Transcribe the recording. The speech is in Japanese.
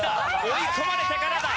追い込まれてからだ！